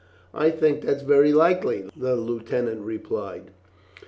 "I think that very likely," the lieutenant replied.